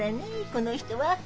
この人は。